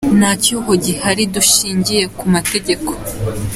Nta cyuho gihari dushingiye ku mategeko.